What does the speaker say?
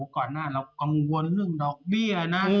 ก่อนหน้าเรากังวลเรื่องดอกเบี้ยนะ